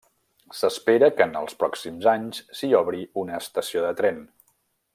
S'espera que en els pròxims anys s'hi obri una estació de tren.